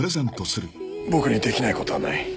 僕にできないことはない。